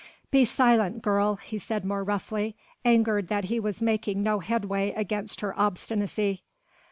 "Be silent, girl," he said more roughly, angered that he was making no headway against her obstinacy.